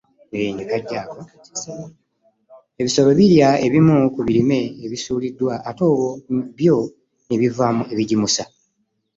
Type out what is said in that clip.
Ebisolo birya ebimu ku birime ebisuuliddwa ate olwo byo ne bivaamu ebigimusa.